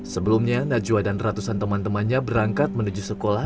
sebelumnya najwa dan ratusan teman temannya berangkat menuju sekolah